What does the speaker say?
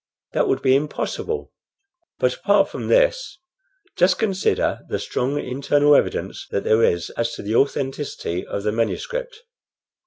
That would be impossible. But, apart from this, just consider the strong internal evidence that there is as to the authenticity of the manuscript.